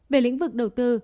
về lĩnh vực đầu tư